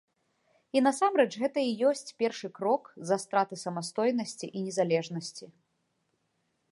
І, насамрэч, гэта і ёсць першы крок за страты самастойнасці і незалежнасці.